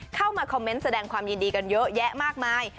เข้ามาคอมเมนต์แสดงความยินดีกันเยอะแยะมากมาย